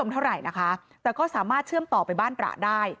แต่ก็สามารถเชื่อมไปบ้านตระได้